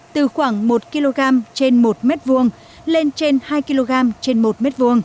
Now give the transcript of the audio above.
từ khoảng một kg trên một m hai lên trên hai kg trên một m hai